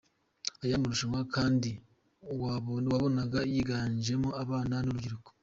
Aya marushanwa kandi wabonaga yiganjemo abana n’urubyiruko.